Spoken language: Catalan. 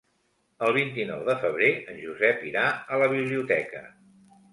El vint-i-nou de febrer en Josep irà a la biblioteca.